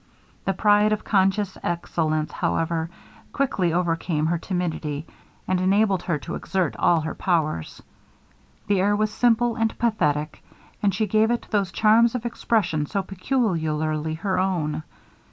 The pride of conscious excellence, however, quickly overcame her timidity, and enabled her to exert all her powers. The air was simple and pathetic, and she gave it those charms of expression so peculiarly her own.